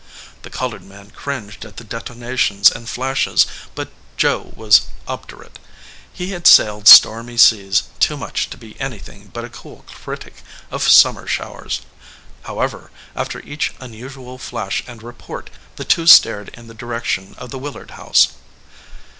The col ored man cringed at the detonations and flashes, but Joe was obdurate. He had sailed stormy seas too much to be anything but a cool critic of sum mer showers. However, after each unusual flash and report the two stared in the direction of the Willard house.